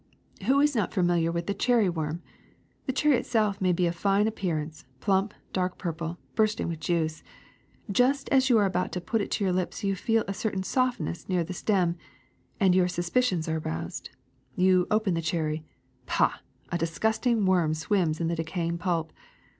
*^Who is not familiar with the cherry worm? The cherry itself may be of fine appearance, plump, dark purple, bursting with juice. Just as you are about to put it to your lips you feel a certain soft ness near the stem, and your suspicions are aroused. You open the cherry. Pah! A disgusting worm swims in the decaying pulp.